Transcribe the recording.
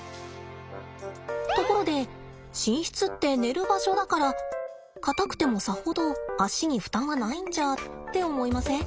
ところで寝室って寝る場所だから硬くてもさほど足に負担はないんじゃ？って思いません？